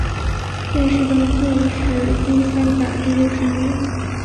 殿试登进士第三甲第六十一名。